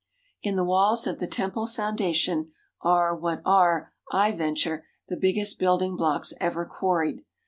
In the walls of the temple foundation are what are, I venture, the biggest building blocks ever quarried.